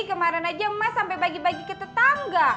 kemarin aja emas sampe bagi bagi ke tetangga